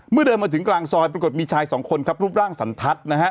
เดินมาถึงกลางซอยปรากฏมีชายสองคนครับรูปร่างสันทัศน์นะฮะ